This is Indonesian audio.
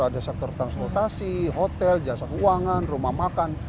ada sektor transportasi hotel jasa keuangan rumah makan